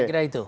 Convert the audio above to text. saya kira itu